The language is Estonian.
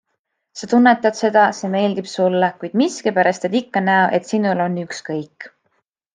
Sa tunnetad seda, see meeldib sulle, kuid miskipärast teed ikka näo, et sinul on ükskõik.